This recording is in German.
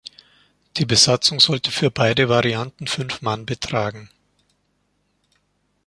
Die Besatzung sollte für beide Varianten fünf Mann betragen.